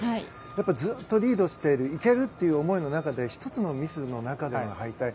やっぱり、ずっとリードしているいけるというムードの中で１つのミスでの敗退。